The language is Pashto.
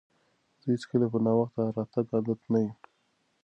زه هیڅکله په ناوخته راتګ عادت نه یم.